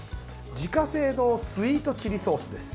自家製のスイートチリソースです。